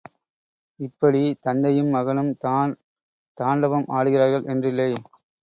இப்படி, தந்தையும் மகனும் தான் தாண்டவம் ஆடுகிறார்கள் என்றில்லை.